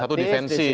yang satu difensif